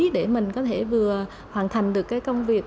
để mình có thể vừa hoàn thành được cái công việc